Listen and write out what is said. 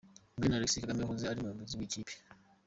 Gen Alexis Kagame wahoze ari umuyobozi w’iyi kipe.